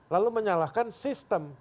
lalu menyalahkan sistem